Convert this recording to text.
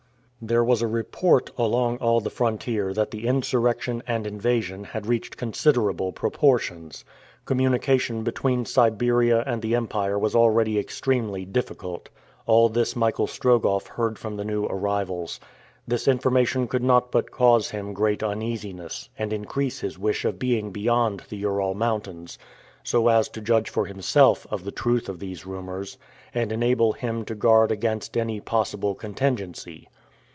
There was a report along all the frontier that the insurrection and invasion had reached considerable proportions. Communication between Siberia and the empire was already extremely difficult. All this Michael Strogoff heard from the new arrivals. This information could not but cause him great uneasiness, and increase his wish of being beyond the Ural Mountains, so as to judge for himself of the truth of these rumors, and enable him to guard against any possible contingency.